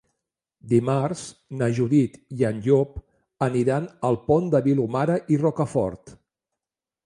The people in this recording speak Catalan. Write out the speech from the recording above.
Dimarts na Judit i en Llop aniran al Pont de Vilomara i Rocafort.